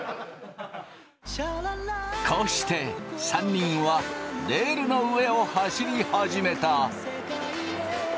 こうして３人はレールの上を走り始めた。